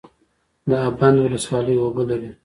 د اب بند ولسوالۍ اوبه لري